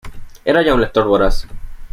Era ya un lector voraz.